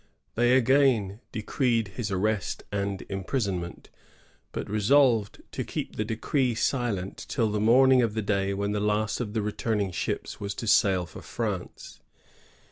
They again decreed his arrest and imprisonment, but resolved to keep the decree secret till the morning of the day when the last of the returning ships was to sail fpr France.